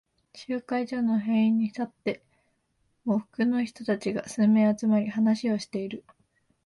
集会所の塀に沿って、喪服の人たちが数名集まり、話をしている。